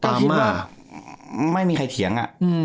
แต่ไม่มีใครเคียง